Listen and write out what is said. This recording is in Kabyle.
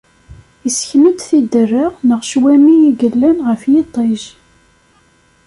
Isken-d tiderra neɣ ccwami i illan ɣef yiṭij.